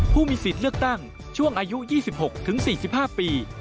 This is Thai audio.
ผู้มีสิทธิ์เลือกตั้งช่วงอายุ๒๖๔๕ปี